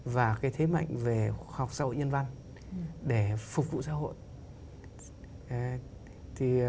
và cái thế mạnh về học xã hội nhân văn để phục vụ xã hội